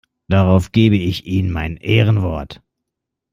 Darauf gebe ich Ihnen mein Ehrenwort!